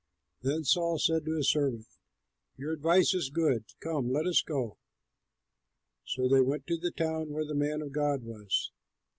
Then Saul said to his servant, "Your advice is good; come, let us go." So they went to the town where the man of God was.